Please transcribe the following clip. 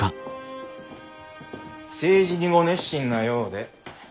政治にご熱心なようで。